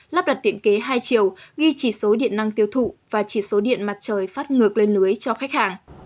lắp đặt điện kế hai chiều ghi chỉ số điện năng tiêu thụ và chỉ số điện mặt trời phát ngược lên lưới cho khách hàng